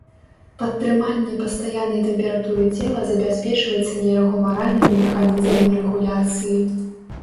Падтрыманне пастаяннай тэмпературы цела забяспечваецца нейрагумаральнымі механізмамі рэгуляцыі.